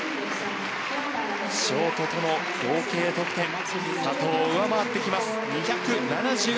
ショートとの合計得点佐藤を上回ってきます。